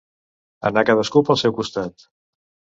Anar cadascú pel seu costat.